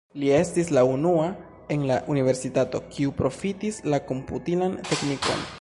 Li estis la unua en la universitato, kiu profitis la komputilan teknikon.